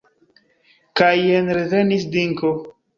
Kaj jen revenis Dinko.